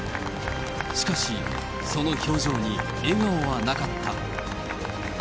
しかし、その表情に笑顔はなかった。